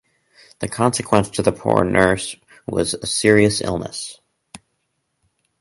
The consequence to the poor nurse was a serious illness.